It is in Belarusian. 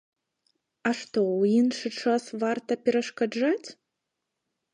А што, у іншы час варта перашкаджаць?